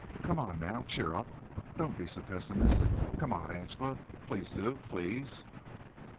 Come on, now. Cheer up. Don't be so pessimistic. Come on, Angela. Please do. Please!"